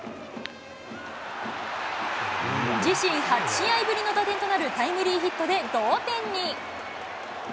自身８試合ぶりの打点となるタイムリーヒットで同点に。